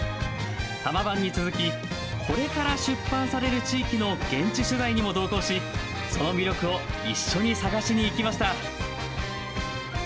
多摩版に続き、これから出版される地域の現地取材にも同行し、その魅力を一緒に探しに行きました。